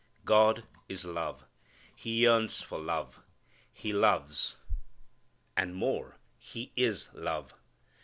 God is love. He yearns for love. He loves. And more, He is love.